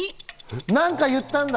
何か言ったんだ。